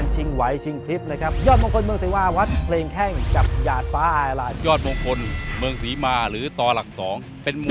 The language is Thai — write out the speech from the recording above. ส่วนยาชฟ้าอาแอร์ไลค์เป็น